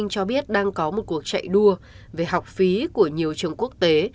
cho biết đang có một cuộc chạy đua về học phí của nhiều trường quốc tế